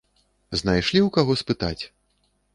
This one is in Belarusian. Знайшлі ў каго спытаць!